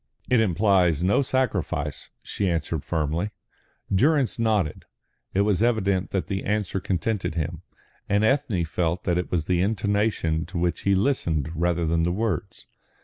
"It implies no sacrifice," she answered firmly. Durrance nodded. It was evident that the answer contented him, and Ethne felt that it was the intonation to which he listened rather than the words.